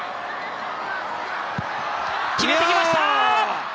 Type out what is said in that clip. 決めてきました！